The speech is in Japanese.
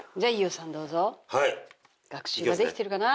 学習ができてるかな？